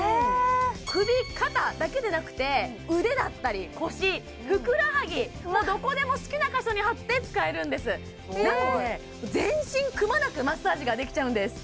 首肩だけでなくて腕だったり腰ふくらはぎのどこでも好きな箇所に貼って使えるんですなので全身くまなくマッサージができちゃうんです